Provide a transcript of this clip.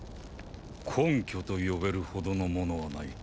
根拠と呼べるほどのものはない。